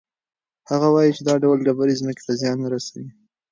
هغه وایي چې دا ډول ډبرې ځمکې ته زیان نه رسوي.